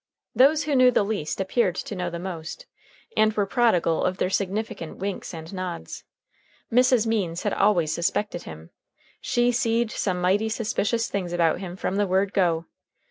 Those who knew the least appeared to know the most, and were prodigal of their significant winks and nods. Mrs. Means had always suspected him. She seed some mighty suspicious things about him from the word go.